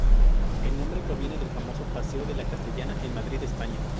El nombre proviene del famoso Paseo de la Castellana en Madrid, España.